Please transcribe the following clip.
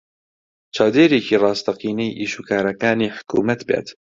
چاودێرێکی ڕاستەقینەی ئیشوکارەکانی حکوومەت بێت